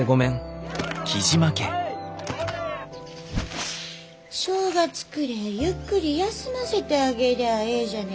正月くれえゆっくり休ませてあげりゃあええじゃねえですか。